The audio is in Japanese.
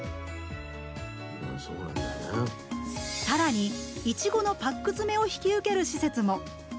更にいちごのパック詰めを引き受ける施設も。